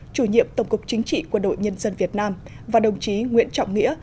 chủ nhiệm tổng cục chính trị quân đội nhân dân việt nam và đồng chí nguyễn trọng nghĩa